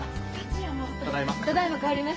ただいま。